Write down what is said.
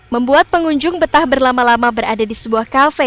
membuat pengunjung betah berlama lama berada di sebuah kafe